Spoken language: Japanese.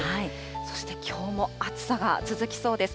そして、きょうも暑さが続きそうです。